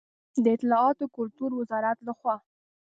د اطلاعاتو او کلتور وزارت له خوا و.